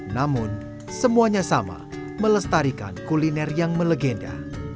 namun semuanya sama melestarikan kuliner yang melegenda